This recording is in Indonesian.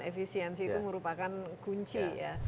eficiency itu merupakan kunci